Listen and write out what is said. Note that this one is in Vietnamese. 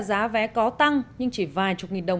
giá vé có tăng nhưng chỉ vài chục nghìn đồng